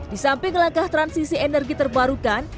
di samping langkah transisi energi terbarukan